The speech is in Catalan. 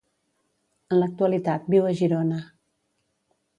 En l'actualitat, viu a Girona.